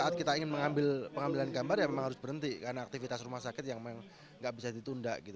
saat kita ingin mengambil pengambilan gambar ya memang harus berhenti karena aktivitas rumah sakit yang memang nggak bisa ditunda gitu